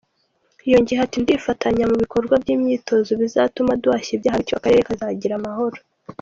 Yongeyeho ati ”Nidufatanya mu bikorwa by’imyitozo bizatuma duhashya ibyaha, bityo akarere kazagira amahoro.